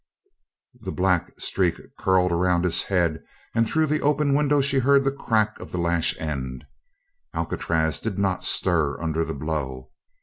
The black streak curled around his head, and through the open window she heard the crack of the lash end. Alcatraz did not stir under the blow.